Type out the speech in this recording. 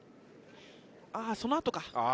ああ、そのあとか。